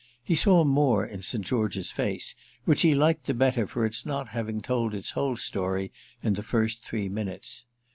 He saw more in St. George's face, which he liked the better for its not having told its whole story in the first three minutes.